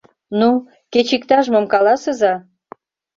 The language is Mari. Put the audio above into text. «Ну, кеч иктаж-мом каласыза.